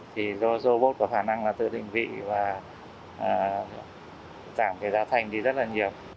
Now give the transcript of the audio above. thì robot có khả năng tự định vị và giảm ra thanh rất là nhiều